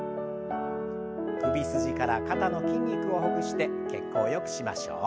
首筋から肩の筋肉をほぐして血行をよくしましょう。